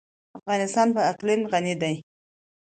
افغانستان په اقلیم غني دی.